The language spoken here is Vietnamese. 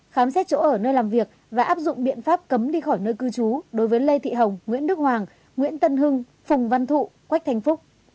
khám xét chỗ ở nơi làm việc và áp dụng biện pháp cấm đi khỏi nơi cư trú đối với lê thị hồng nguyễn đức hoàng nguyễn tân hưng phùng văn thụ quách thanh phúc